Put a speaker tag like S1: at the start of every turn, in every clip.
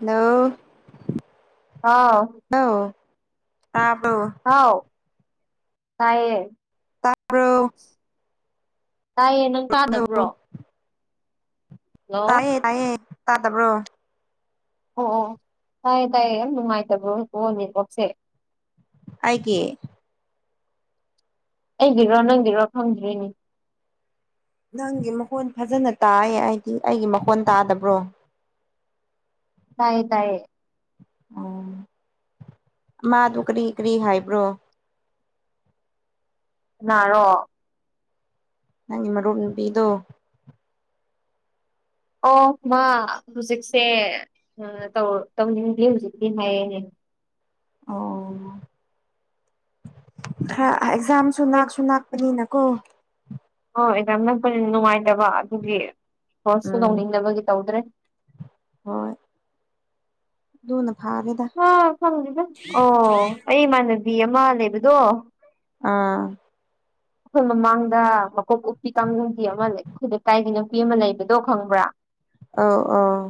S1: ꯅꯧ
S2: ꯑꯥꯎ
S1: ꯑ ꯑꯥꯕ
S2: ꯍꯥꯎ ꯇꯥꯏꯌꯦ
S1: ꯇꯥꯕ꯭ꯔꯣ
S2: ꯇꯥꯏꯌꯦ ꯅꯪ
S1: ꯍꯜꯂꯣ
S2: ꯇꯥꯗꯕ꯭ꯔꯣ ꯍꯜꯂꯣ
S1: ꯇꯥꯏꯌꯦ ꯇꯥꯏꯌꯦꯦ ꯇꯥ ꯇꯕ꯭ꯔꯣ
S2: ꯑꯣ ꯇꯥꯏꯌꯦ ꯇꯥꯏꯌꯦ ꯌꯥꯝ ꯅꯨꯡꯉꯥꯏ ꯇꯕ꯭ꯔꯣꯣꯅꯤ ꯑꯣꯁꯦ
S1: ꯑꯩꯒꯤꯦ
S2: ꯑꯩꯒꯤꯔꯣ ꯅꯪꯒꯤꯔꯣ ꯐꯪꯗ꯭ꯔꯤꯅꯤ
S1: ꯅꯪꯒꯤ ꯃꯈꯣꯟ ꯐꯖꯅ ꯇꯥꯏꯌꯦ ꯍꯥꯏꯗꯤ ꯑꯩꯒꯤ ꯃꯈꯣꯟ ꯇꯥꯗꯕ꯭ꯔꯣ
S2: ꯇꯥꯏꯌꯦ ꯇꯥꯏꯌꯦ
S1: ꯎꯝ ꯃꯥꯗꯨ ꯀꯔꯤ ꯀꯔꯤ ꯍꯥꯏꯕ꯭ꯔꯣ
S2: ꯅꯥꯔꯣ
S1: ꯅꯪꯒꯤ ꯃꯔꯨꯞ ꯅꯨꯄꯤꯗꯣ
S2: ꯑꯣ ꯃꯥ ꯍꯧꯖꯤꯛꯁꯦ ꯇꯧꯅꯤꯡꯗꯤꯦ ꯍꯧꯖꯤꯛꯇꯤ ꯍꯥꯏꯌꯦꯅꯦ
S1: ꯑꯣ ꯑꯦꯛꯖꯝ ꯁꯨꯅꯥ
S2: ꯍꯣꯏ
S1: ꯁꯨꯅꯥ ꯑꯗꯨꯅꯀꯣ
S2: ꯑꯣ ꯑꯦꯛꯖꯥꯝꯅ ꯅꯨꯡꯉꯥꯏꯇꯕ ꯑꯗꯨꯒꯤ ꯀꯣꯔꯁꯁꯨ
S1: ꯎꯝ
S2: ꯂꯧꯅꯤꯡꯅꯕꯒꯤ ꯇꯧꯗ꯭ꯔꯦ
S1: ꯍꯣꯏ ꯑꯗꯨꯅ ꯐꯥꯔꯦꯗ
S2: ꯑ ꯐꯪꯗ ꯑꯣ ꯑꯩ ꯏꯃꯥꯟꯅꯕꯤ ꯑꯃ ꯂꯩꯕꯗꯣ
S1: ꯑꯥ
S2: ꯑꯩꯈꯣꯏ ꯃꯃꯥꯡꯗ ꯃꯀꯣꯛ ꯎꯞꯄꯤ ꯀꯥꯡꯕꯨꯒꯤ ꯑꯃ ꯂꯩ ꯈꯨꯗꯀꯥꯏꯒꯤ ꯅꯨꯄꯤ ꯑꯃ ꯂꯩꯕꯗꯣ ꯈꯪꯕ꯭ꯔꯥ [inaudible]
S1: ꯑꯥꯎ ꯑꯥꯎ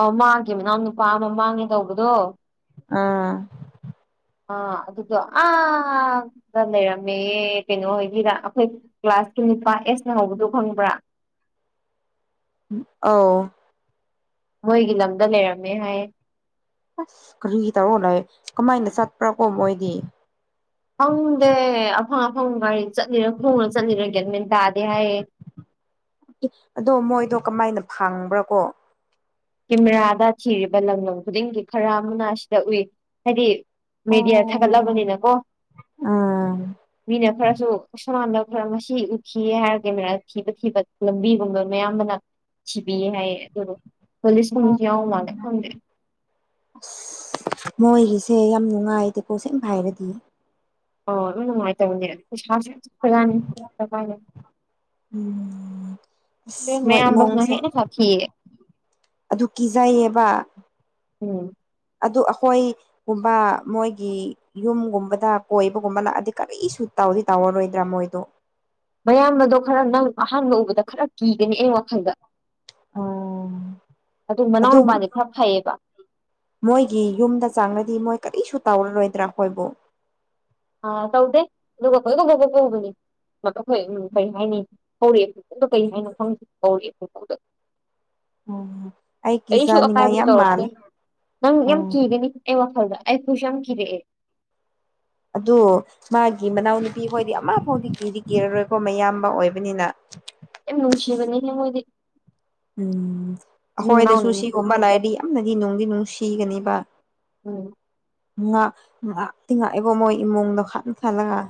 S2: ꯑ ꯃꯥꯒꯤ ꯃꯅꯥꯎ ꯅꯨꯄꯥ ꯑꯃ ꯃꯥꯡꯉꯦ ꯇꯧꯕꯗꯣ
S1: ꯑꯥ
S2: ꯑ ꯑꯗꯨ ꯑꯔꯃꯦ ꯑꯦ ꯀꯩꯅꯣ ꯍꯥꯏꯒꯤꯔ ꯑꯩꯈꯣꯏ ꯀ꯭ꯂꯥꯁꯀꯤ ꯅꯨꯅꯤꯄꯥ ꯑꯦꯁꯅ ꯍꯧꯕꯗꯨꯣ ꯈꯪꯕ꯭ꯔꯥ
S1: ꯑꯥꯎ
S2: ꯃꯣꯏꯒꯤ ꯂꯝꯗ ꯂꯩꯔꯝꯃꯦ ꯍꯥꯏꯌꯦ
S1: ꯑꯁ ꯀꯔꯤ ꯇꯧꯔꯣꯅꯣꯣꯏ ꯀꯃꯥꯏꯅ ꯆꯠꯄ꯭ꯔꯥ ꯀꯣ ꯃꯣꯏꯗꯤ
S2: ꯐꯪꯗꯦ ꯑꯐꯪ ꯑꯐꯪ ꯒꯥꯔꯤ ꯆꯠꯂꯤꯔ ꯈꯣꯡꯅ ꯆꯠꯂꯤꯔꯥ ꯒꯦꯠꯃꯦꯟ ꯇꯥꯗꯦ ꯍꯥꯏꯌꯦ
S1: ꯑꯗꯣ ꯃꯣꯏꯗꯣ ꯀꯃꯥꯏꯅ ꯐꯪꯕ꯭ꯔꯥ ꯀꯣ
S2: ꯀꯦꯃꯦꯔꯥꯗ ꯊꯤꯔꯤꯕ ꯂꯝ ꯂꯝ ꯈꯨꯗꯤꯡꯒꯤ ꯈꯔ ꯑꯃꯅ ꯑꯁꯤꯗ ꯎꯏ ꯍꯥꯏꯗꯤ ꯃꯦꯗꯤꯌꯥ
S1: ꯑꯣ
S2: ꯊꯥꯒꯠꯂꯕꯅꯤꯅꯀꯣ
S1: ꯑꯥ
S2: ꯃꯤꯅ ꯈꯔꯁꯨ ꯑꯁꯃꯥꯟꯗ ꯈꯔ ꯃꯁꯤ ꯎꯈꯤꯌꯦ ꯍꯥꯏꯔꯒꯦ ꯃ ꯊꯤꯕ ꯊꯤꯕ ꯂꯝꯕꯤꯒꯨꯝꯕ ꯃꯌꯥꯝꯕꯅ ꯁꯤꯤꯕꯤ ꯍꯥꯏ ꯑꯗꯨ ꯀꯣꯂꯤꯁ ꯀꯨꯝꯁꯤꯎ ꯃꯥꯅ ꯐꯪꯗꯦ
S1: ꯑꯁ ꯃꯣꯏꯒꯤꯁꯦ ꯌꯥꯝ ꯅꯨꯡꯉꯥꯏꯇꯦꯀꯣꯁꯦꯡꯅ ꯍꯥꯏꯔꯗꯤ
S2: ꯑꯣ ꯎꯅꯨꯡꯥꯏ ꯇꯔꯦ [unintelligible] [unintelligible] ꯐꯅꯤ
S1: ꯎꯝ ꯑꯁ ꯃꯣꯏ
S2: ꯃꯌꯥꯝꯝꯕꯁꯅ
S1: ꯏꯃꯨꯡꯁꯦ
S2: ꯍ ꯁꯥ ꯍ [unintelligible] [inaudible]
S1: ꯑꯗꯨ ꯀꯤꯖꯩꯌꯦꯕ
S2: ꯎꯝ
S1: ꯑꯗꯨ ꯑꯩꯈꯣꯏ ꯒꯨꯝꯕ ꯃꯣꯏꯒꯤ ꯌꯨꯝꯒꯨꯝꯕꯗ ꯀꯣꯏꯕꯒꯨꯝꯕ ꯂꯥꯛꯑꯗꯤ ꯀꯔꯤ ꯁꯨ ꯇꯥꯎꯗꯤ ꯇꯧꯔꯔꯣꯏꯗ꯭ꯔꯥ ꯃꯣꯏꯗꯣ
S2: ꯃꯌꯥꯝ ꯑꯗꯣ ꯈꯔ ꯅꯪ ꯑꯍꯥꯟꯕ ꯎꯕꯗ ꯈꯔ ꯀꯤꯒꯅꯤ ꯑꯩ ꯋꯥꯈꯜꯗ ꯑꯗꯨ ꯃꯅꯥꯎ
S1: ꯑꯗꯨꯝ
S2: ꯅꯨꯨꯄꯥꯗꯤ ꯈꯔ ꯐꯩꯌꯦꯕ
S1: ꯃꯣꯏꯒꯤ ꯌꯨꯝꯗ ꯆꯥꯡꯅꯗꯤ ꯃꯣꯏ ꯀꯔꯤꯁꯨ ꯇꯧꯔꯔꯣꯏꯗ꯭ꯔꯥ ꯑꯩꯏꯕꯨ
S2: ꯑ ꯇꯧꯗꯦ ꯑꯗꯨꯒ ꯀꯣꯏ ꯀ ꯐꯥꯎꯕ ꯄꯨꯕꯅꯤꯣꯏ ꯀꯔꯤ ꯍꯥꯏꯅꯤ ꯍꯧꯔꯛꯦꯈꯣꯏꯗ ꯀꯩ ꯍꯥꯏꯅꯣ ꯈꯪꯦ ꯍꯧꯔꯛꯦ ꯑꯩꯣꯏꯥꯎꯗ
S1: ꯑꯩ
S2: ꯑꯩꯁꯨ
S1: ꯀꯤꯖꯅꯤꯡꯉꯥꯏ
S2: ꯑꯀꯥꯏꯕꯗꯨ
S1: ꯌꯥꯝ
S2: ꯇꯧꯔꯀꯦ
S1: ꯃꯥꯜꯂꯦ
S2: ꯅꯪ ꯌꯥꯝ ꯀꯤꯒꯅꯤ ꯑꯦ ꯋꯥꯈꯜꯗ ꯑꯩꯈꯁꯝ ꯀꯗꯦ
S1: ꯑꯗꯨ ꯃꯥꯒꯤ ꯃꯅꯥꯎꯅꯨꯄꯤ ꯍꯣꯏꯗꯤ ꯑꯃ ꯐꯥꯎꯗꯤ ꯀꯤꯗꯤ ꯀꯤꯔꯔꯣꯏꯀꯣ ꯃꯌꯥꯝꯕ ꯑꯣꯏꯕꯅꯤꯅ
S2: ꯌꯥꯝ ꯅꯨꯡꯁꯤꯕꯅꯦꯍꯦ ꯃꯣꯏꯗꯤ
S1: ꯎꯝ
S2: ꯃꯆꯤꯟ
S1: ꯑꯩꯈꯣꯏꯗꯁꯨ
S2: ꯃꯅꯥꯎꯅꯤꯅ
S1: ꯁꯤꯒꯨꯝꯕ ꯂꯥꯛꯔꯗꯤ ꯌꯥꯝꯅꯗꯤ ꯅꯨꯡꯗꯤ ꯅꯨꯡ ꯁꯤꯒꯅꯤꯕ
S2: ꯎꯝ
S1: ꯉꯍꯥꯛ ꯉꯍꯥꯛ ꯇꯤꯡꯉꯥꯛꯏꯕꯣ ꯃꯣꯏ ꯏꯃꯨꯡꯗꯣ ꯍꯥꯠꯅ ꯊꯜꯂꯒ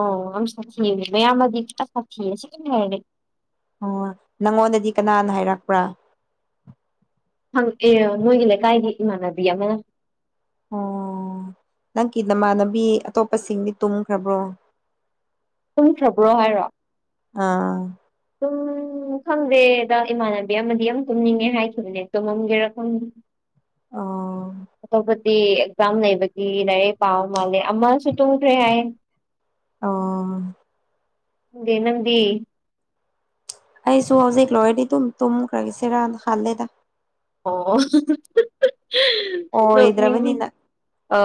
S2: ꯑꯣ ꯑ ꯁꯥꯊꯤ ꯃꯌꯥꯝꯃꯗꯤ ꯈꯤꯇ ꯁꯥꯊꯤꯑ ꯁꯤ ꯀꯔꯤ ꯍꯥꯏꯔꯒꯦ
S1: ꯑꯣ ꯅꯪꯉꯣꯟꯗꯗꯤ ꯀꯅꯥꯅ ꯍꯥꯏꯔꯛꯄ꯭ꯔꯥ
S2: ꯍꯪ ꯑꯦ ꯃꯣꯏꯒꯤ ꯂꯩꯀꯥꯏꯒꯤ ꯏꯃꯥꯟꯅꯕꯤ ꯑꯃꯅ
S1: ꯑꯣ
S2: [unintelligible]
S1: ꯅꯪꯒꯤ ꯅꯃꯥꯟꯅꯕꯤ ꯑꯇꯣꯞꯄꯁꯤꯡꯗꯤ ꯇꯨꯝꯈ꯭ꯔꯕ꯭ꯔꯣ
S2: ꯇꯨꯡꯈ꯭ꯔꯕ꯭ꯔꯣ ꯍꯥꯏꯔꯣ
S1: ꯑꯥ
S2: ꯎꯝ ꯈꯪꯗꯦꯗ ꯏꯃꯥꯟꯅꯕꯤ ꯑꯃꯗꯤ ꯌꯥꯝ ꯇꯨꯝꯅꯤꯡꯉꯦ ꯍꯥꯏꯈꯤꯕꯅꯦ ꯇꯨꯝꯃꯝꯒꯦꯔꯥ
S1: ꯑꯣ
S2: ꯑꯇꯣꯞꯄꯗꯤ ꯑꯦꯛꯖꯥꯝ ꯂꯩꯕꯒꯤ ꯂꯥꯏꯔꯤꯛ ꯄꯥꯕ ꯃꯥꯜꯂꯦ ꯑꯃꯁꯨ ꯇꯨꯝꯈꯔꯦ ꯍꯥꯢꯌꯦ
S1: ꯑꯣ
S2: ꯅꯪꯗꯤ
S1: ꯑꯩꯁꯨ ꯍꯧꯖꯤꯛ ꯂꯣꯏꯔꯗꯤ ꯑꯗꯨꯝ ꯇꯨꯝꯈ꯭ꯔꯒꯦꯁꯤꯔꯅ ꯍꯥꯜꯂꯦꯗ
S2: ꯅꯣꯡꯅꯤꯡꯉꯤ
S1: ꯑꯣꯏꯗ꯭ꯔꯕꯅꯤꯅ
S2: ꯑ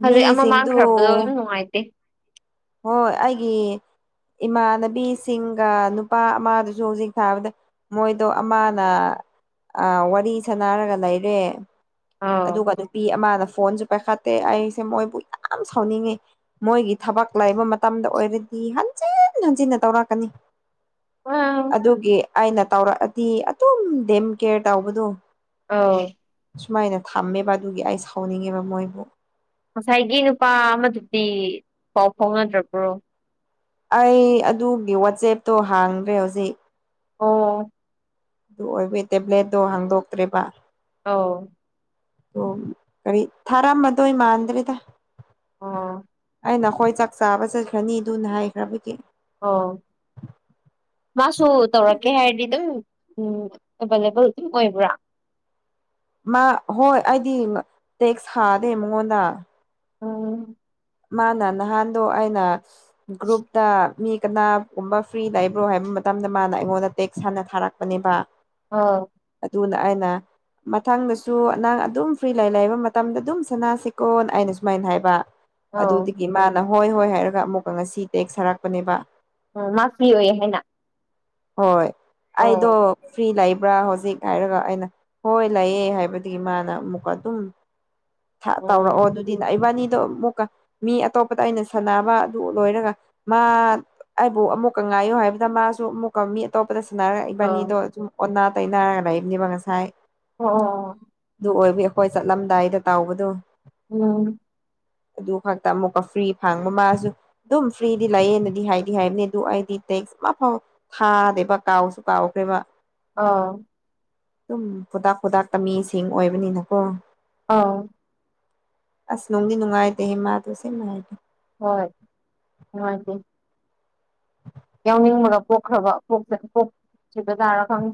S2: ꯍꯧꯖꯤꯛ ꯑꯃ
S1: ꯃꯤꯁꯤꯡꯗꯨ
S2: ꯃꯥꯡꯈ꯭ꯔꯕꯗꯣ ꯑꯗꯨ ꯅꯨꯡꯉꯥꯏꯇꯦ
S1: ꯍꯣꯏ ꯑꯩꯒꯤ ꯏꯃꯥꯟꯅꯕꯤꯁꯤꯡꯒ ꯅꯨꯄꯥ ꯑꯃꯗꯨꯁꯨ ꯍꯧꯖꯤꯛ ꯊꯥꯕꯗ ꯃꯣꯏꯗꯣ ꯑꯃꯅ ꯋꯥꯔꯤ ꯁꯅꯔꯒ ꯂꯩꯔꯦ
S2: ꯑꯥꯎ
S1: ꯑꯗꯨꯒ ꯅꯨꯄꯤ ꯑꯃꯅ ꯐꯣꯟꯁꯨ ꯄꯥꯏꯈꯠꯇꯦ ꯑꯩꯁꯦ ꯃꯣꯏꯕꯨ ꯌꯥꯝ ꯁꯥꯎꯅꯤꯡꯉꯤ ꯃꯣꯏꯒꯤ ꯊꯕꯛ ꯂꯩꯕ ꯃꯇꯝꯗ ꯑꯣꯏꯔꯗꯤ ꯍꯟꯖꯤꯟ ꯍꯟꯖꯤꯟꯅ ꯇꯧꯔꯛꯀꯅꯤ
S2: ꯑꯥ
S1: ꯑꯗꯨꯒꯤ ꯑꯩꯅ ꯇꯧꯔꯛꯑꯗꯤ ꯑꯗꯨꯝ ꯗꯦꯝ ꯀꯦꯌꯔ ꯇꯧꯕꯗꯣ
S2: ꯑꯥꯎ
S1: ꯁꯨꯃꯥꯏꯅ ꯊꯝꯃꯦꯕ ꯑꯗꯨꯒꯤ ꯑꯩ ꯁꯥꯎꯅꯤꯡꯉꯦꯕ ꯃꯣꯏꯕꯨ
S2: ꯉꯁꯥꯏꯒꯤ ꯅꯨꯄꯥ ꯑꯃꯗꯨꯗꯤ ꯄꯥꯎ ꯐꯥꯎꯅꯗ꯭ꯔꯕ꯭ꯔꯣ
S1: ꯑꯩ ꯑꯗꯨꯒꯤ ꯋꯥꯆꯦꯞꯇꯣ ꯍꯥꯡꯗ꯭ꯔꯦ ꯍꯧꯖꯤꯛ
S2: ꯑꯣ
S1: ꯑꯗꯨ ꯑꯣꯏꯕ ꯇꯦꯕ꯭ꯂꯦꯠꯇꯣ ꯍꯥꯡꯗꯣꯛꯇ꯭ꯔꯦꯔꯤꯕ
S2: ꯑꯥꯎ
S1: ꯑꯣ ꯀꯔꯤ ꯊꯥꯔꯛꯑꯝꯕꯗꯣꯏ ꯃꯥꯟꯗ꯭ꯔꯦꯗ
S2: ꯑꯣ
S1: ꯑ ꯅꯈꯣꯏ ꯆꯥꯛ ꯆꯥꯕ ꯆꯠꯈ꯭ꯔꯅꯤ ꯑꯗꯨꯅ ꯍꯥꯏꯈ꯭ꯔꯕꯒꯤ
S2: ꯑꯣ ꯃꯥꯁꯨ ꯇꯧꯔꯛꯀꯦ ꯍꯥꯏꯔꯗꯤ ꯑꯗꯨꯝ ꯎꯝ ꯑꯦꯕꯥꯏꯂꯦꯕꯜ ꯑꯗꯨꯝ ꯑꯣꯏꯕ꯭ꯔꯥ
S1: ꯃꯥ ꯍꯣꯏ ꯑꯩꯗꯤ ꯇꯦꯛꯁ ꯍꯥꯗꯦ ꯃꯉꯣꯟꯗ
S2: ꯑꯝ
S1: ꯃꯥꯅ ꯅꯍꯥꯟꯗꯣ ꯑꯩꯅ ꯒ꯭ꯔꯨꯞꯇ ꯃꯤ ꯀꯅꯥꯒꯨꯝꯕ ꯐ꯭ꯔꯤ ꯂꯩꯕ꯭ꯔꯣ ꯍꯥꯏꯕ ꯃꯇꯝꯗ ꯃꯥꯅ ꯑꯩꯉꯣꯟꯗ ꯇꯦꯛꯁ ꯍꯥꯟꯅ ꯊꯥꯔꯛ ꯄꯅꯦꯕ
S2: ꯑꯥꯎ
S1: ꯑꯗꯨꯅ ꯑꯩꯅ ꯃꯊꯪꯗꯁꯨ ꯅꯪ ꯑꯗꯨꯝ ꯐ꯭ꯔꯤ ꯂꯩ ꯂꯩꯕ ꯃꯇꯝꯗ ꯑꯗꯨꯝ ꯁꯅꯥꯁꯤꯀꯣ ꯑꯩꯅ ꯁꯨꯃꯥꯏꯅ ꯍꯥꯏꯕ
S2: ꯑꯧ
S1: ꯑꯗꯨꯗꯒꯤ ꯃꯥꯅ ꯍꯣꯏ ꯍꯣꯏ ꯍꯥꯏꯔꯒ ꯑꯃꯨꯛꯀ ꯉꯁꯤ ꯇꯦꯛꯁ ꯊꯥꯔꯛꯄꯅꯦꯕ
S2: ꯎꯝ ꯃꯥ ꯐꯤ ꯑꯣꯏꯌꯦ ꯍꯥꯏꯅ
S1: ꯍꯣꯏ ꯑꯩꯗꯣ
S2: ꯑꯣ
S1: ꯐ꯭ꯔꯤ ꯂꯩꯕ꯭ꯔꯥ ꯍꯧꯖꯤꯛ ꯍꯥꯏꯔꯒ ꯑꯩꯅ ꯍꯣꯏ ꯂꯩꯌꯦ ꯍꯥꯏꯕꯒꯤ ꯃꯥꯅ ꯑꯃꯨꯛꯀ ꯑꯗꯨꯝ
S2: ꯑꯣ ꯑꯧ
S1: ꯇꯧꯔꯛꯑꯣ ꯑꯗꯨꯗꯤꯅꯦ ꯏꯕꯥꯅꯤꯗꯣ ꯑꯃꯨꯛꯀ ꯃꯤ ꯑꯇꯣꯞꯄꯗ ꯑꯩꯅ ꯁꯥꯟꯅꯕ ꯑꯗꯨ ꯂꯣꯏꯔꯒ ꯃꯥ ꯑꯩꯕꯨ ꯑꯃꯨꯛꯀ ꯉꯥꯏꯌꯨ ꯍꯥꯏꯕꯗ ꯃꯥꯁꯨ ꯑꯃꯨꯛ ꯀꯣ ꯃꯤ ꯑꯇꯣꯞꯄꯗ ꯁꯨꯅꯔꯛꯏꯕꯅꯤꯗꯣ
S2: ꯑꯣ
S1: ꯁꯨꯝ ꯑꯣꯟꯅ ꯇꯩꯅꯅꯔꯒ ꯂꯩꯕꯅꯦꯕ ꯉꯁꯥꯏ
S2: ꯑꯣ ꯑꯣ
S1: ꯑꯗꯨ ꯑꯣꯏꯕꯨ ꯑꯩꯈꯣꯏ ꯆꯠꯂꯝꯗꯥꯏꯗ ꯇꯥꯎꯕꯗꯨ
S2: ꯎꯝ
S1: ꯑꯗꯨ ꯈꯛꯇ ꯑꯃꯨꯛꯀ ꯐ꯭ꯔꯤ ꯐꯡꯕ ꯃꯥꯁꯨ ꯑꯗꯨꯝ ꯐ꯭ꯔꯤꯗꯤ ꯂꯩꯌꯦꯅꯗꯤ ꯍꯥꯏꯗꯤ ꯍꯥꯏꯕꯅꯦ ꯑꯗꯨ ꯑꯩꯗꯤ ꯇꯦꯛꯁ ꯑꯃ ꯐꯥꯎ ꯊꯥꯗꯦꯕ ꯀꯥꯎꯁꯨ ꯀꯥꯎꯈ꯭ꯔꯦꯕ
S2: ꯑꯥ
S1: ꯑꯗꯨꯝ ꯈꯨꯗꯥꯛ ꯈꯨꯗꯥꯛꯇ ꯃꯤꯁꯤꯡ ꯑꯣꯏꯕꯅꯤꯅꯀꯣ
S2: ꯑꯥꯎ
S1: ꯑꯁ ꯅꯨꯡꯗꯤ ꯅꯨꯡꯉꯥꯏꯇꯦꯍꯦ ꯃꯥꯗꯣꯁꯦꯡ ꯅꯨꯡꯉꯥꯏꯇꯦ
S2: ꯍꯣꯏ ꯅꯨꯡꯉꯥꯏꯇꯦ ꯌꯥꯎꯅꯤꯡꯕꯒ ꯄꯣꯛꯈ꯭ꯔꯕ ꯄꯣꯛ ꯄꯣꯛꯈꯤꯖꯥꯔ ꯈꯪ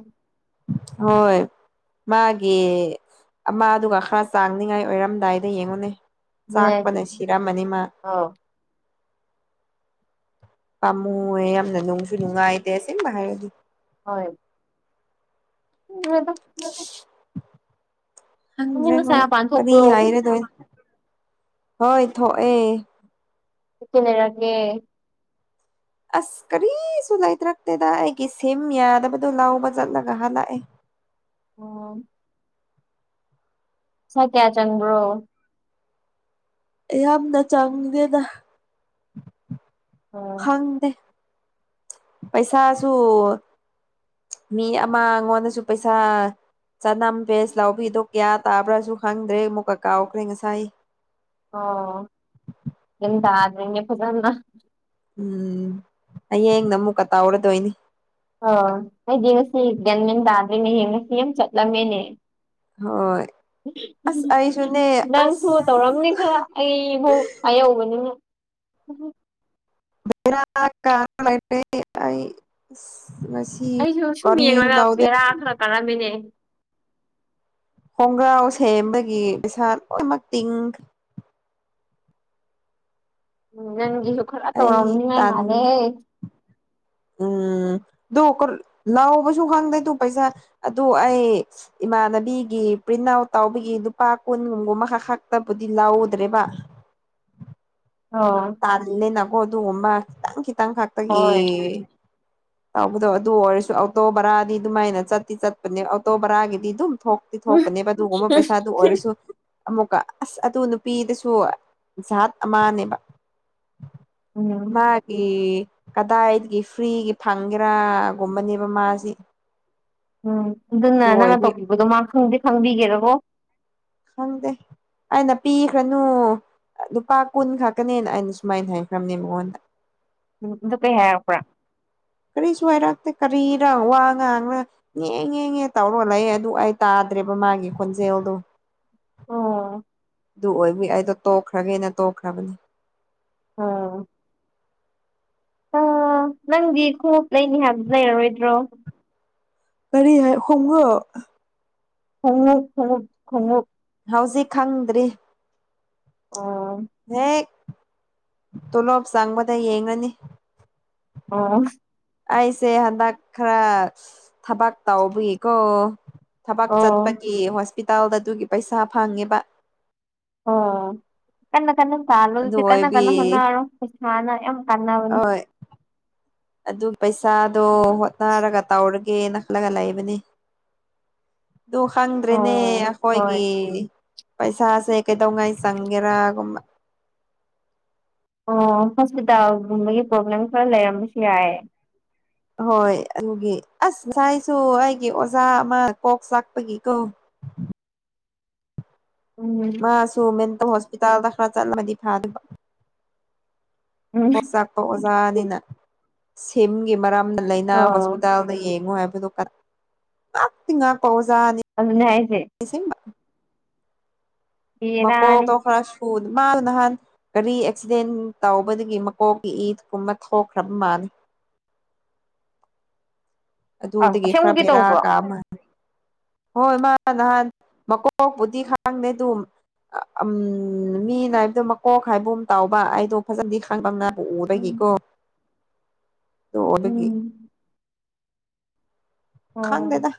S1: ꯍꯣꯏ ꯃꯥꯒꯤ ꯑꯃꯗꯨꯒ ꯈꯔ ꯆꯥꯡꯅꯤꯉꯥꯏ ꯑꯣꯏꯔꯝꯗꯥꯏꯗ ꯌꯦꯡꯉꯨꯅꯦ
S2: ꯑꯗꯨꯅꯦ ꯍꯥꯏꯁꯦ
S1: ꯆꯥꯛꯄꯅ ꯁꯤꯔꯝꯃꯅꯤꯃꯥ
S2: [inaudible]
S1: ꯄꯥꯝꯃꯨꯑꯦ ꯌꯥꯝꯅ ꯅꯨꯡꯁꯨ ꯅꯨꯡꯉꯥꯏꯇꯦ ꯑꯁꯦꯡꯕ ꯍꯥꯏꯔꯗꯤ
S2: ꯍꯣꯏ [unintelligible]
S1: [inaudible]
S2: ꯅꯪꯗꯤ
S1: ꯈꯪꯗ꯭ꯔꯦ
S2: ꯉꯁꯥꯏ
S1: ꯍꯣꯏ
S2: ꯃꯄꯥꯟ
S1: ꯀꯔꯤ
S2: ꯊꯣꯛꯄ꯭ꯔꯣ
S1: ꯍꯥꯏꯔꯗꯣꯏ ꯍꯣꯏ ꯊꯣꯛꯑꯦ
S2: ꯆ
S1: ꯑꯁ ꯀꯔꯤꯁꯨ ꯂꯩꯇ꯭ꯔꯛꯇꯦꯗ ꯑꯩꯒꯤ ꯁꯦꯝ ꯌꯥꯗꯕꯗꯣ ꯂꯧꯕ ꯆꯠꯂꯒ ꯍꯜꯂꯛꯑꯦ
S2: ꯑꯣ ꯄꯩꯁ ꯀꯌꯥ ꯆꯡꯕꯔꯣ
S1: ꯌꯥꯝꯅ ꯆꯪꯗꯦꯅ
S2: ꯎꯝ
S1: ꯈꯪꯗꯦ ꯄꯩꯁꯥꯁꯨ ꯃꯤ ꯑꯃꯉꯣꯟꯗꯁꯨ ꯄꯩꯁꯥ ꯆꯅꯝ ꯚꯦꯁ ꯂꯥꯎꯕꯤꯗꯣ ꯀꯌꯥ ꯇꯥꯕ꯭ꯔꯥꯁꯨ ꯈꯪꯗ꯭ꯔꯦ ꯑꯃꯨꯛꯀ ꯀꯥꯎꯈ꯭ꯔꯦ ꯉꯁꯥꯏ
S2: ꯑꯣ ꯌꯦꯇꯦ ꯐꯖꯅ
S1: ꯎꯝ ꯍꯌꯦꯡꯅ ꯑꯃꯨꯛꯀ ꯇꯧꯔꯗꯣꯏꯅꯤ
S2: ꯑꯣ ꯑꯩꯗꯤ ꯉꯁꯤ ꯒ꯭ꯌꯥꯟꯃꯦꯟ ꯇꯥꯗꯔꯦꯅꯦꯍꯦ ꯉꯁꯤ ꯌꯥꯝ ꯆꯠꯂꯝꯃꯦꯅꯦ
S1: ꯍꯣꯏ ꯑꯁ ꯑꯩꯁꯨꯅꯦ ꯑꯁ
S2: ꯑꯩꯍꯨ ꯍꯥꯏꯍꯧꯕꯅꯤ
S1: ꯕꯦꯔꯥ ꯀꯔꯥ ꯂꯩꯔꯦ ꯑꯩ ꯉꯁꯤ
S2: ꯑꯩꯁꯨ ꯁꯨꯝ
S1: ꯀꯔꯤꯁꯨ
S2: ꯌꯦꯡꯔꯒ
S1: ꯇꯧꯗꯦ
S2: ꯕꯦꯔꯥ ꯈꯔ ꯀꯥꯔꯝꯃꯤꯅꯦ꯫
S1: ꯈꯣꯡꯒ꯭ꯔꯥꯎ ꯁꯦꯝꯕꯒꯤ ꯄꯩꯁꯥ ꯂꯣꯏꯅꯃꯛ ꯇꯤꯡ꯫
S2: ꯎ ꯅꯪꯒꯤꯁꯨ ꯈꯔ
S1: ꯑꯩ
S2: ꯇꯧꯔꯝꯅꯤꯉꯥꯏ
S1: ꯇꯟ
S2: ꯃꯥꯜꯂꯦ꯫
S1: ꯎꯝ ꯑꯗꯨ ꯂꯥꯎꯕꯁꯨ ꯈꯪꯗꯦ ꯑꯗꯨ ꯄꯩꯁꯥ ꯑꯗꯨ ꯑꯩ꯫ ꯏꯃꯥꯟꯅꯕꯤꯒꯤ ꯄ꯭ꯔꯤꯟ ꯑꯥꯎꯠ ꯇꯥꯎꯕꯒꯤ ꯂꯨꯄꯥ ꯀꯨꯟꯒꯨꯝꯕꯨꯝ ꯃꯈꯥ ꯈꯛꯇꯕꯨꯗꯤ ꯂꯧꯗ꯭ꯔꯦꯕ꯫
S2: ꯑ꯫
S1: ꯑꯗꯅꯦ ꯅꯒꯣ ꯑꯗꯨ ꯑꯣꯝꯕ ꯀꯤꯇꯪ ꯀꯇꯪ ꯈꯛꯇꯒꯤ꯫
S2: ꯍꯣꯏ
S1: ꯇꯧꯕꯗꯣ ꯑꯗꯨ ꯑꯣꯏꯔꯁꯨ ꯑꯣꯇꯣ ꯕꯔꯥꯗꯤ ꯑꯗꯨꯃꯥꯏꯅ ꯆꯠꯇꯤ ꯆꯠꯄꯅꯦ ꯑꯣꯇꯣ ꯕꯔꯥꯒꯤꯗꯤ ꯑꯗꯨꯝ ꯊꯣꯛ꯫ ꯊꯣꯛꯄꯅꯦꯕ ꯑꯗꯨꯒꯨꯝꯕ ꯄꯩꯁꯥꯗꯨ ꯑꯣꯏꯔꯁꯨ ꯑꯃꯨꯛꯀ ꯑꯁ ꯑꯗꯨ ꯅꯨꯄꯤꯗꯨꯁꯨ ꯖꯥꯠ ꯑꯃꯅꯦꯕ
S2: ꯎꯝ
S1: ꯃꯥ ꯒꯤ ꯀꯗꯥꯏꯗꯒꯤ ꯐ꯭ꯔꯤꯒꯤ ꯐꯪꯒꯦꯔꯥꯒꯨꯝꯕꯅꯦꯕ ꯃꯥꯁꯤ
S2: ꯎꯝ ꯑꯗꯨꯅ
S1: ꯑꯗꯨ
S2: ꯅꯪꯅ
S1: ꯑꯣꯏꯕꯒꯤ
S2: ꯇꯧꯕꯤꯕꯗꯣ ꯃꯥ ꯈꯪꯗꯤ ꯈꯪꯕꯤꯒꯦꯔꯕꯣ
S1: ꯈꯪꯗꯦ ꯑꯩꯅ ꯄꯤꯈ꯭ꯔꯅꯨ ꯅꯨꯄꯥ ꯀꯨꯟ ꯈꯥꯛꯀꯅꯦꯅ ꯑꯩꯅ ꯁꯨꯃꯥꯏꯅ ꯍꯥꯏꯈ꯭ꯔꯕꯅꯦ ꯃꯉꯣꯟꯗ
S2: ꯑꯗꯨ ꯀꯩ ꯍꯥꯏꯔꯛꯄ꯭ꯔꯥ
S1: ꯀꯔꯤꯁꯨ ꯍꯥꯏꯔꯛꯇꯦ ꯀꯔꯤꯔ ꯋꯥ ꯉꯥꯡꯔ ꯉꯦ ꯉꯦ ꯉꯦ ꯇꯧꯔꯣ ꯂꯩꯌꯦ ꯑꯗꯨ ꯑꯩ ꯇꯥꯗ꯭ꯔꯦꯕ ꯃꯥꯒꯤ ꯈꯣꯟꯖꯦꯜꯗꯣ
S2: ꯑꯣ꯫
S1: ꯑꯗꯨ ꯑꯣꯏꯕꯒꯤ ꯑꯩꯗꯣ ꯇꯣꯛꯈ꯭ꯔꯒꯦꯅ ꯇꯣꯛꯈ꯭ꯔꯕꯅꯤ꯫
S2: ꯑ꯫ ꯑ ꯅꯪꯗꯤ ꯈꯣꯡꯎꯞ ꯂꯩꯅꯤ ꯍꯥꯏꯕꯗꯨ ꯂꯩꯔꯔꯣꯏꯗ꯭ꯔꯣ꯫
S1: ꯀꯔꯤ ꯍꯥꯏ ꯍꯣꯡꯕ꯭ꯔ‌ꯣ
S2: ꯈꯣꯡꯉꯨꯛ ꯈ‌ꯣꯡꯉꯨꯛ ꯈꯣꯡꯉꯨꯛ꯫
S1: ꯍꯧꯖꯤꯛ ꯈꯪꯗ꯭ꯔꯤ꯫
S2: ꯑꯣ꯫
S1: ꯍꯦꯛ ꯇꯣꯂꯣꯞ ꯆꯪꯕꯗ ꯌꯦꯡꯉꯅꯤ꯫
S2: ꯑꯣ꯫
S1: ꯑꯩꯁꯦ ꯍꯟꯗꯛ ꯈꯔ ꯊꯕꯛ ꯇꯧꯕꯒꯤꯀꯣ꯫ ꯊꯕꯛ
S2: ꯑꯣ
S1: ꯆꯠꯄꯒꯤ ꯍꯣꯁꯄꯤꯇꯥꯜꯗ ꯑꯗꯨꯒꯤ ꯄꯩꯁꯥ ꯐꯪꯉꯦꯕ꯫
S2: ꯑꯣ ꯀꯟꯅ ꯀꯟꯅ ꯇꯥꯜꯂ‌ꯣ
S1: ꯑꯗꯨ
S2: ꯑꯗꯨꯗꯤ ꯀꯟꯅ
S1: ꯑꯣꯏꯕꯤ
S2: ꯀꯟꯅ ꯍꯣꯠꯅꯔꯣ ꯄꯩꯁꯥꯅ ꯌꯝ
S1: ꯍꯣꯏ ꯑꯗꯨ ꯄꯩꯁꯥꯗꯣ ꯍꯣꯠꯅꯔꯒ ꯇꯧꯔ꯫ ꯒ‌ꯦ ꯈꯜꯂꯒ ꯂꯩꯕꯅꯤ꯫ ꯑꯗꯨ ꯈꯪꯗ꯭ꯔꯦꯅꯦ
S2: ꯑꯣ ꯍꯣꯏ
S1: ꯑꯩꯈꯣꯏꯒꯤ꯫ ꯄꯩꯁꯥꯁꯦ ꯀꯩꯗꯧꯉꯥꯏ ꯆꯪꯒꯦꯔꯥꯒꯨꯝꯕ꯫
S2: ꯑꯣ ꯍꯣꯁꯄꯤꯇꯥꯜꯒꯨꯝꯕꯒꯤ ꯄ꯭ꯔꯣꯕ꯭ꯂꯦꯝ ꯈꯔ ꯂꯩꯔꯝꯕꯁꯨ ꯌꯥꯏ
S1: ꯍꯣꯏ ꯑꯗꯨꯒꯤ ꯑꯁ ꯉꯁꯥꯏꯁꯨ ꯑꯩꯒꯤ ꯑꯣꯖꯥ ꯑꯃ ꯀꯣꯛ ꯆꯥꯛꯄꯒꯤꯀꯣ꯫
S2: ꯎꯝ꯫
S1: ꯃꯥꯁꯨ ꯃꯦꯟꯇꯜ ꯍꯣꯁꯄꯤꯇꯥꯜꯗ ꯈꯔ ꯆꯠꯂꯝꯃꯗꯤ ꯐꯥꯗꯕ꯫
S2: ꯎꯝ
S1: ꯀꯣꯛ ꯆꯥꯛꯄ ꯑꯣꯖꯥꯅꯤꯅ ꯁꯤꯝꯒꯤ ꯃꯔꯝꯅ ꯂꯥꯏꯅꯥ
S2: ꯑꯣ
S1: ꯍꯣꯁꯄꯤꯇꯥꯜ꯫ ꯌꯦꯡꯉꯣ ꯍꯥꯏꯕꯗꯨ [inaudible] ꯉꯥꯛꯇꯤ ꯉꯥꯛꯄ ꯑꯣꯖꯥꯅꯤ꯫
S2: ꯑꯗꯨꯅꯦ ꯍꯥꯏꯁꯦ꯫
S1: [unintelligible]
S2: ꯕꯦꯔꯥꯅꯤ
S1: ꯃꯀꯣꯛꯇꯣ ꯈꯔꯁꯨ ꯃꯥ ꯅꯍꯥꯟ꯫ ꯒꯥꯔꯤ ꯑꯦꯛꯁꯤꯗꯦꯟ ꯇꯧꯕꯗꯒꯤ ꯃꯀꯣꯛꯀꯤ ꯏ ꯀꯨꯝꯕ ꯊꯧꯈ꯭ꯔꯕ ꯃꯥꯜꯂꯤ꯫
S2: ꯑ
S1: ꯑꯗꯨꯗꯒꯤ ꯈꯔ
S2: ꯑꯁꯦꯡꯃꯛꯒꯤ
S1: ꯕꯦꯔꯥ
S2: ꯇꯧꯕ꯭ꯔꯣ꯫
S1: ꯀꯥꯕ ꯃꯥꯜꯂꯦ ꯍꯣꯏ ꯃꯥ ꯅꯍꯥꯟ ꯃꯀꯣꯛꯄꯨꯗꯤ ꯍꯥꯡꯗꯦ ꯑꯗꯨ ꯎꯝ ꯃꯤꯅ ꯍꯥꯏꯕꯗꯣ ꯃꯀꯣꯛ ꯍꯥꯏꯒꯨꯝ ꯇꯥꯎꯕ ꯑꯩꯗꯣ ꯐꯖꯅꯗꯤ ꯈꯪꯕꯥꯀ‌ꯣ ꯃꯥꯕꯨ
S2: ꯎꯝ
S1: ꯎꯕꯒꯤꯀꯣ ꯗꯨ ꯎꯕꯒꯤ
S2: ꯎꯝ ꯑꯣ
S1: ꯈꯪꯗ‌ꯦꯗ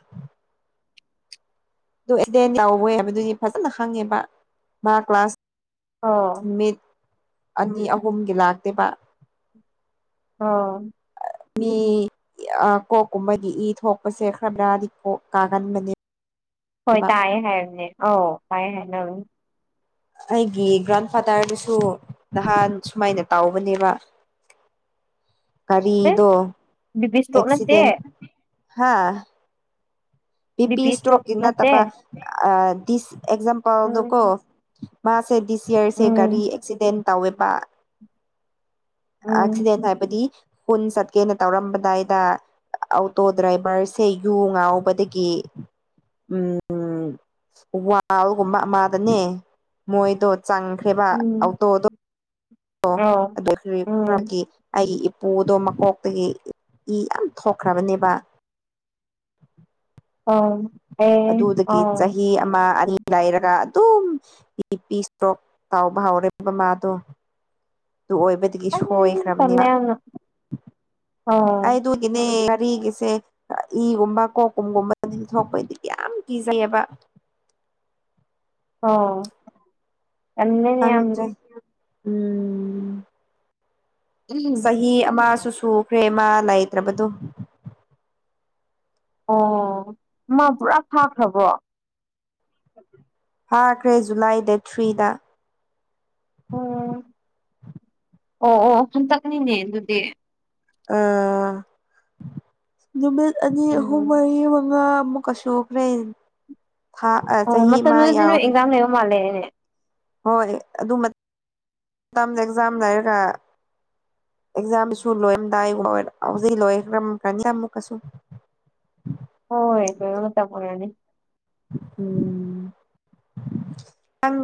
S1: ꯑꯗꯨ ꯑꯦꯇꯦꯟ ꯇꯧꯋ‌ꯦ ꯍꯥꯏꯕꯗꯨꯒꯤ ꯐꯖꯅ ꯈꯪꯉꯦꯕ ꯃꯥ ꯀ꯭ꯂꯥꯁ
S2: ꯑꯣ
S1: ꯅꯨꯃꯤꯠ ꯑꯅꯤ ꯑꯍꯨꯝꯒꯤ ꯂꯥꯛꯇꯦꯕ
S2: ꯑꯣ
S1: ꯃꯤ ꯀꯣꯛꯀꯨꯝꯕꯗꯤ ꯏ ꯊꯣꯛꯄꯁꯦ ꯈꯔ ꯕ‌ꯦꯔꯥꯗꯤ ꯀꯣꯛ ꯀꯥꯒꯟꯕꯅꯦ
S2: ꯍꯣꯏ ꯇꯥꯏꯌꯦ ꯍꯥꯏꯔꯨꯅꯦ ꯑꯧ ꯀꯥꯏꯌꯦ ꯍꯥꯏꯅꯕꯟ
S1: ꯑꯩꯒꯤ ꯒ꯭ꯔꯥꯟ ꯐꯥꯗꯔꯗꯨꯁꯨ ꯅꯍꯥꯟ ꯁꯨꯃꯥꯏꯅ ꯇꯥꯎꯕꯅꯦꯕ
S2: ꯑꯦ
S1: ꯒꯥꯔꯤꯗꯣ
S2: ꯕꯤ ꯄꯤ ꯏꯁꯇ꯭ꯔꯣꯛ ꯅꯠꯇꯦ
S1: ꯑꯦꯛꯁꯤꯗꯦꯟ ꯍꯥ
S2: ꯕꯤ
S1: ꯕꯤꯄꯤ
S2: ꯄꯤ ꯏꯁꯇ꯭ꯔꯣꯛ
S1: ꯏꯁꯇ꯭ꯔ‌ꯣꯛꯀꯤ
S2: ꯅꯠꯇꯦ
S1: ꯅꯠꯇꯕ꯫ ꯗꯤꯁ ꯑꯦꯛꯖꯝꯄꯜꯗꯀꯣ
S2: ꯎꯝ
S1: ꯃꯥꯁꯦ ꯗꯤꯁ ꯏꯌꯥꯔꯁꯦ ꯒꯥꯔꯤ
S2: ꯎꯝ
S1: ꯑꯦꯛꯁꯤꯗꯦꯟ꯫ ꯇꯧꯋꯦꯕ
S2: ꯎꯝ
S1: ꯑꯦꯛꯁꯤꯗꯦꯟ ꯍꯥꯏꯕꯗꯤ꯫ ꯀꯨꯟ ꯆꯠꯀꯦꯅ ꯇꯧꯔꯝꯕꯗꯥꯏꯗ ꯑꯣꯇꯣ ꯗ꯭ꯔꯥꯏꯚꯔꯁꯦ ꯌꯨ ꯉꯥꯎꯕꯗ ꯒꯤ ꯎꯝ ꯋꯥꯜꯒꯨꯝꯕ ꯑꯃꯗꯅꯦ ꯃꯣꯏꯗꯣ꯫ ꯆꯪꯈ꯭ꯔꯦꯕ
S2: ꯎꯝ
S1: ꯑꯧꯇꯣꯗꯣ [inaudible]
S2: ꯑꯥꯎ
S1: ꯑꯗꯨ [inaudible]
S2: ꯎꯝ
S1: ꯈꯔꯒꯤ ꯑꯩꯒꯤ ꯏꯄꯨꯗꯣ ꯃꯀꯣꯛꯇꯒꯤ ꯏ ꯌꯥꯝ ꯊꯣꯛꯈ꯭ꯔꯕꯅꯦꯕ꯫
S2: ꯑꯥ ꯑꯦ
S1: ꯑꯗꯨꯗꯒꯤ
S2: ꯑꯥ
S1: ꯆꯍꯤ ꯑꯃ ꯑꯅꯤ꯫ ꯂꯩꯔꯒ ꯑꯗꯨꯝ ꯄꯤ ꯏꯁꯇ꯭ꯔꯣꯛ ꯇꯥꯎꯕ ꯍꯧꯔꯦꯕ ꯃꯥꯗꯣ꯫ ꯑꯗꯨ ꯑꯣꯏꯕꯗꯒꯤ
S2: ꯑꯩ ꯇꯜꯂꯦ
S1: ꯁꯣꯏꯈ꯭ꯔꯕꯅꯦꯕ꯫
S2: ꯌꯥꯝꯅ ꯑꯥ
S1: ꯑꯩ ꯑꯗꯨꯒꯤꯅꯦ ꯒꯥꯔꯤꯒꯤꯁꯦ꯫ ꯏꯒꯨꯝꯕ ꯀꯣꯛꯀꯨꯝꯒꯨꯝꯕꯗꯤ ꯊꯣꯛꯄꯗꯤ ꯌꯥꯝ ꯀꯤꯖꯩꯕ꯫
S2: ꯑꯣ
S1: ꯐꯪꯗ꯭ꯔꯦ ꯎꯝ
S2: ꯎꯝ
S1: ꯃꯤ ꯑꯃꯨ ꯁꯨꯈ꯭ꯔꯦ ꯃꯥ ꯂꯩꯇ꯭ꯔꯕꯗꯣ
S2: ꯑꯣ ꯃꯥ ꯄꯨꯔꯥ ꯐꯥꯈ꯭ꯔꯕꯣ
S1: ꯐꯥꯈ꯭ꯔꯦ ꯖꯨꯂꯥꯏ ꯗꯦꯠ ꯊ꯭ꯔꯤꯗ
S2: ꯑꯣ ꯑꯣ ꯑꯣ ꯍꯟꯇꯛꯅꯤꯅꯦ ꯑꯗꯨꯗꯤ
S1: ꯑ ꯅꯨꯃꯤꯠ ꯑꯅꯤ ꯑꯍꯨꯝ
S2: ꯎꯝ
S1: ꯃꯔꯤ ꯃꯉꯥꯨꯛ ꯀꯩꯁꯨꯈ꯭ꯔꯦ ꯊꯥ ꯆꯍꯤ ꯑꯃ ꯌꯥꯎꯔ
S2: ꯃꯥꯂꯦꯅꯦ
S1: ꯍꯣꯏ ꯑꯗꯨ ꯃꯇꯝꯗ ꯑꯦꯛꯖꯥꯝ ꯂꯩꯔꯒ ꯑꯦꯛꯖꯥꯝꯁꯨ ꯂꯣꯏꯔꯝꯗꯥꯏ ꯋꯥ ꯍꯧꯖꯤꯛ ꯂꯣꯏꯈꯅꯤ ꯑꯃꯨꯛꯀꯁꯨ
S2: ꯍꯣꯏ ꯍꯣꯏ ꯍ ꯇ ꯄꯨꯔꯅꯤ
S1: ꯎꯝ ꯅꯪ